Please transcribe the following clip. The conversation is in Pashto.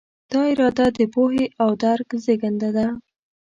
دا اراده د پوهې او درک زېږنده ده.